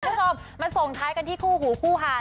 คุณผู้ชมมาส่งท้ายกันที่คู่หูคู่หาด